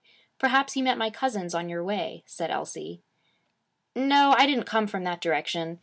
'Perhaps you met my cousins on your way,' said Elsie. 'No. I didn't come from that direction.